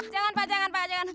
jangan pak jangan pak